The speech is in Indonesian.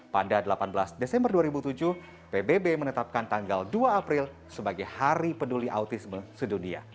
pada delapan belas desember dua ribu tujuh pbb menetapkan tanggal dua april sebagai hari peduli autisme sedunia